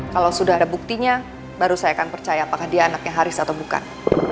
kalau sudah ada buktinya baru saya akan percaya apakah dia anaknya haris atau bukan